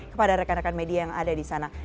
kepada rekan rekan media yang ada di sana